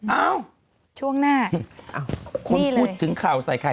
เอ้าช่วงหน้าคุณพูดถึงข่าวใส่ไข่